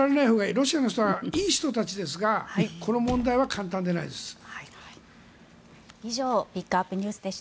ロシアの人はいい人たちですがこの問題は簡単でないです。